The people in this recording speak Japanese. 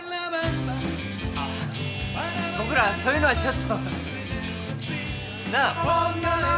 僕らそういうのはちょっとなあ？